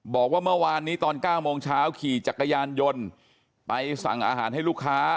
บอกว่าเมื่อวานนี้ตอน๙โมงเช้าขี่จักรยานยนต์ไปสั่งอาหารให้ลูกค้า